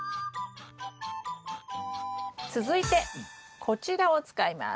続いてこちらを使います。